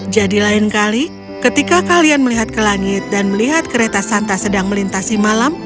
jadi lain kali ketika kalian melihat ke langit dan melihat kereta santa sedang melintasi malam